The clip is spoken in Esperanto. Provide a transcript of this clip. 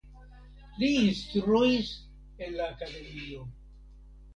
Li instruis en la akademio.